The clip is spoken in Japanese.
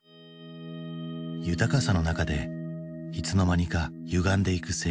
豊かさの中でいつの間にかゆがんでいく生活。